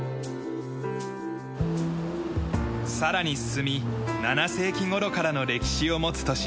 さらに進み７世紀頃からの歴史を持つ都市